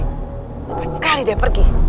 cepat sekali dia pergi